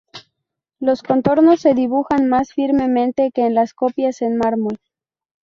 Los contornos se dibujan más firmemente que en las copias en mármol.